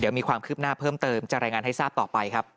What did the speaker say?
เดี๋ยวมีความคืบหน้าเพิ่มเติมจะรายงานให้ทราบต่อไปครับ